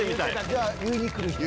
じゃあ言いに来る人。